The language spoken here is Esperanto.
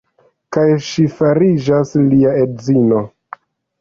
Kaj ŝi fariĝas lia edzino.